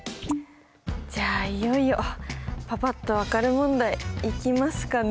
じゃあいよいよパパっと分かる問題いきますかね。